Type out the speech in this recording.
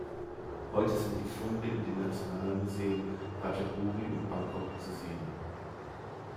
Heute sind die Funde in den Nationalmuseen Ratchaburi und Bangkok zu sehen.